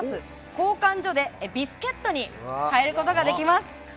交換所でビスケットに替えることができます。